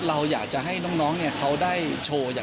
เราอยากจะให้น้องเนี่ย